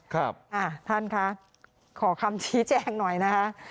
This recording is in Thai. ท่านคะขอคำชี้แจงหน่อยนะคะ